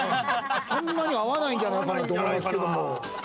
そんなに合わないんじゃないかなと思いますけど。